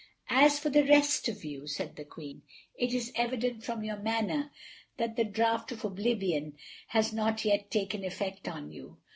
"As for the rest of you," said the Queen, "it is evident from your manner that the draught of oblivion has not yet taken effect on you.